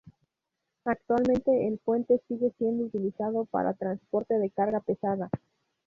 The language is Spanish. Actualmente el puente sigue siendo utilizado para transporte de carga pesada.